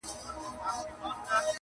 هیله پوره د مخلص هره سي چي,